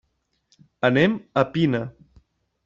Anem a Pina.